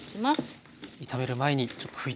炒める前にちょっと拭いていきます。